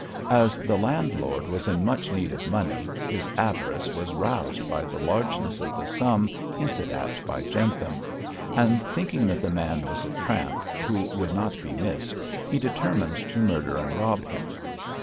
As the landlord was in much need of money, his avarice was roused by the largeness of the sum hinted at by Jentham; and thinking that the man was a tramp, who would not be missed, he determined to murder and rob him.